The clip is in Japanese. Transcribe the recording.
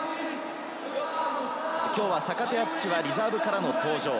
きょうは坂手淳史はリザーブからの登場。